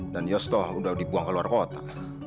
dan yos toh udah dibuang ke luar kota